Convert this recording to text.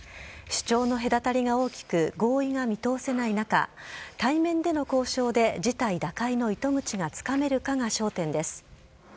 主張の隔たりが大きく、合意が見通せない中、対面での交渉で事態打開の糸口がつかめるかが焦点です。